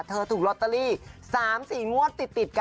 เธอถูกล็อตเตอรี่๓๔งวดติดกันค่ะ